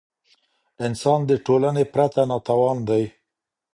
انسان د ټولني پرته ناتوان دی.